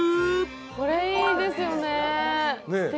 これいいですよね。